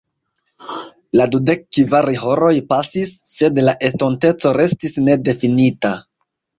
La dudek-kvar horoj pasis, sed la estonteco restis nedifinita.